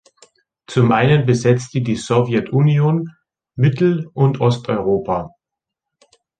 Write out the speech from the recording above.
Zum einen besetzte die Sowjetunion Mittel- und Osteuropa.